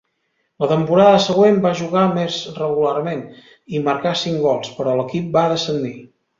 La temporada següent va jugar més regularment, i marcà cinc gols, però l'equip va descendir.